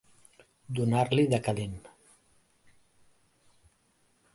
Donar-li de calent.